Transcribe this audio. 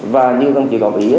và như ông chỉ có ý